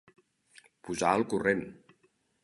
Posar al corrent.